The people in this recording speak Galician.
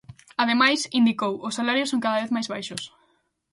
Ademais, indicou, "os salarios son cada vez máis baixos".